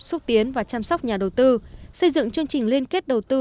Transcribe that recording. xúc tiến và chăm sóc nhà đầu tư xây dựng chương trình liên kết đầu tư